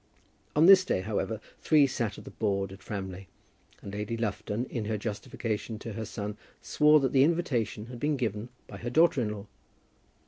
On this day, however, three sat at the board at Framley, and Lady Lufton, in her justification to her son, swore that the invitation had been given by her daughter in law.